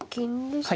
はい。